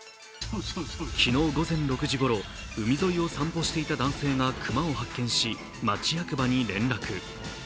昨日午前６時ごろ、海沿いを散歩していた男性が熊を発見し町役場に連絡。